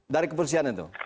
dari kepolisian itu